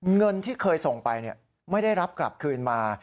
เงินที่เคยส่งไปไม่ได้รับกลับคืนมา